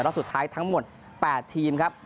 สุดท้ายทั้งหมด๘ทีมครับ